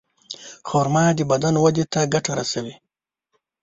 خرما د بدن وده ته ګټه رسوي.